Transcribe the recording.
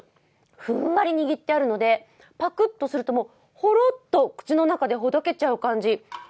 ふんわり握ってあるので、パクッとするとほろっと口の中でほどけちゃう感じ。